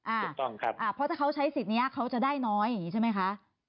ถูกต้องครับเพราะถ้าเขาใช้สิทธิ์นี้เขาจะได้น้อยอย่างนี้ใช่ไหมคะ